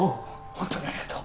本当にありがとう。